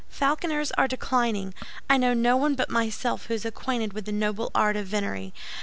Falconers are declining. I know no one but myself who is acquainted with the noble art of venery.